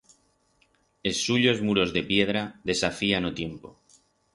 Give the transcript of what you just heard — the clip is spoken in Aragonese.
Es suyos muros de piedra desafían o tiempo,